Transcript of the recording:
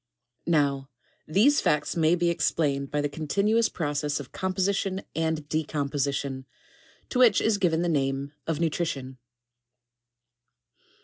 Now, these facts may be explained by the continuous process of composition and de composition, to which is given the name of nutrition.